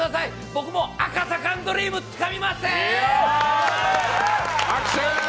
僕もアカサカンドリーム、つかみますで！！